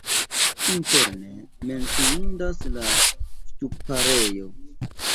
Interne menciindas la ŝtuparejo.